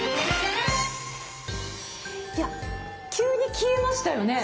急に消えましたよね。